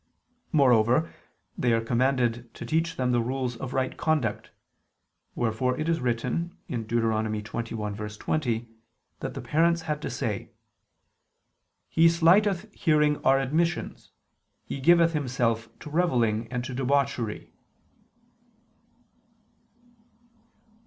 Moreover, they are commanded to teach them the rules of right conduct: wherefore it is written (Deut. 21:20) that the parents had to say: "He slighteth hearing our admonitions, he giveth himself to revelling and to debauchery."